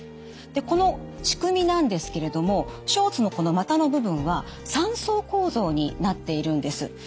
でこの仕組みなんですけれどもショーツのこの股の部分は３層構造になっているんです。